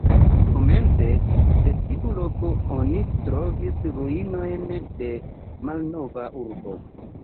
Komence de tiu loko oni trovis ruinojn de malnova urbo.